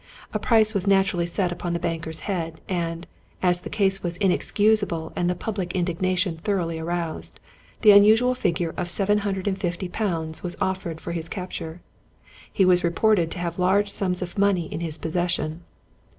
A price was natu rally set upon the banker's head; and, as the case was in excusable and the public indignation thoroughly aroused, the unusual figure of £750 was offered for his capture. He was reported to have large sums of money in his possession.